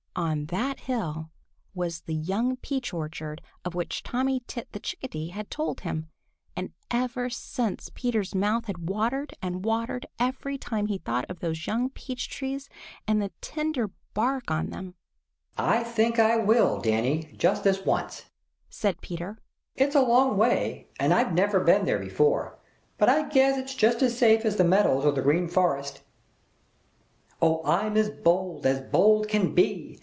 On that hill was the young peach orchard of which Tommy Tit the Chickadee had told him, and ever since Peter's mouth had watered and watered every time he thought of those young peach trees and the tender bark on them. "I think I will, Danny, just this once," said Peter. "It's a long way, and I've never been there before; but I guess it's just as safe as the Meadows or the Green Forest. "Oh I'm as bold as bold can be!